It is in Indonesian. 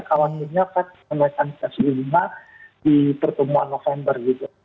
kalau misalnya kalau kemampuan kompetensi ilmiah di pertumbuhan november gitu